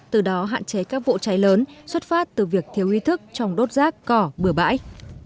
từ đó hạn chế các vụ cháy lớn xuất phát từ việc thiếu ý thức trong đốt rác cỏ bừa bãi